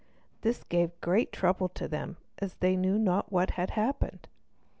This gave great trouble to them, as they knew not what had happened.